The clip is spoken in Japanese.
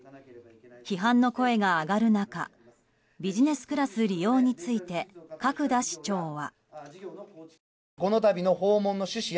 批判の声が上がる中ビジネスクラス利用について角田市長は。